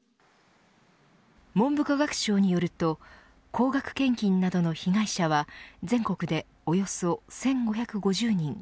文部科学省によると高額献金などの被害者は全国でおよそ１５５０人。